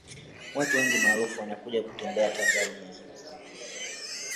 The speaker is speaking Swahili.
watu wengi maarufu wanakuja kutembea tanzania